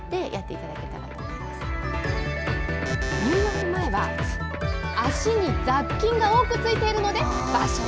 入浴前は足に雑菌が多くついているのでバツ。